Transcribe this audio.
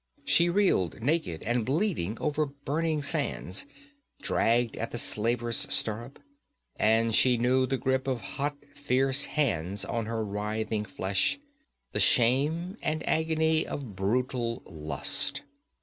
She reeled naked and bleeding over burning sands, dragged at the slaver's stirrup, and she knew the grip of hot, fierce hands on her writhing flesh, the shame and agony of brutal lust.